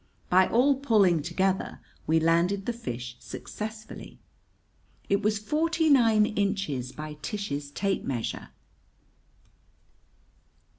By all pulling together we landed the fish successfully. It was forty nine inches by Tish's tape measure.